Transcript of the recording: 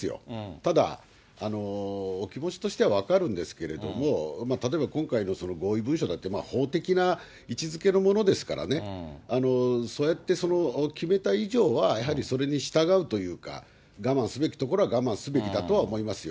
ただ、お気持ちとしては分かるんですけども、例えば今回のこの合意文書だって、法的な位置づけのものですからね、そうやって決めた以上は、やはりそれに従うというか、我慢すべきところは我慢すべきだとは思いますよ。